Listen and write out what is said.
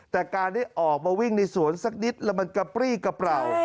แต่การได้ออกมาวิ่งในสวนสักนิดแล้วมันกระปรี้กระเป๋า